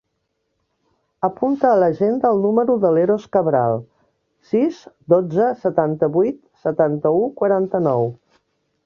Apunta a l'agenda el número de l'Eros Cabral: sis, dotze, setanta-vuit, setanta-u, quaranta-nou.